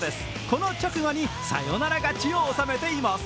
この直後にサヨナラ勝ちを納めています。